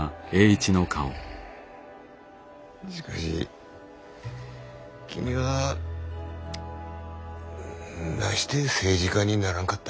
しかし君はなして政治家にならんかった？